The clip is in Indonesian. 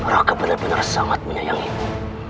raka benar benar sangat menyayangimu